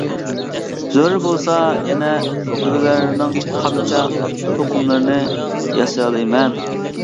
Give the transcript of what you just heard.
زۆرۈر بولسا يەنە تۆگىلەرنىڭ قامچا، توقۇملىرىنى ياسىيالايمەن.